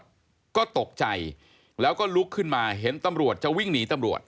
แล้วก็ตกใจแล้วก็ลุกขึ้นมาเห็นตำรวจจะวิ่งหนีตำรวจ